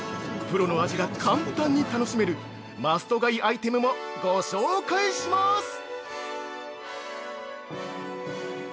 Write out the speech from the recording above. プロの味が簡単に楽しめるマスト買いアイテムもご紹介します。